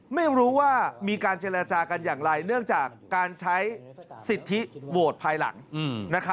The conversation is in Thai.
ไม่รู้ว่ามีการเจรจากันอย่างไรเนื่องจากการใช้สิทธิโหวตภายหลัง